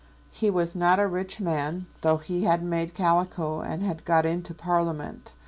He was not a rich man, though he had made calico and had got into Parliament.